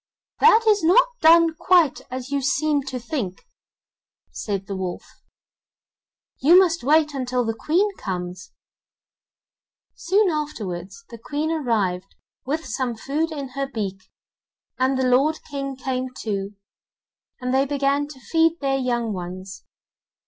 'That is not done quite as you seem to think,' said the wolf; 'you must wait until the Queen comes,' Soon afterwards, the Queen arrived with some food in her beak, and the lord King came too, and they began to feed their young ones.